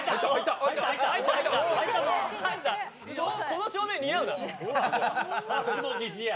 この照明似合うな。